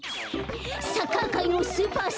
サッカーかいのスーパースターはなかっ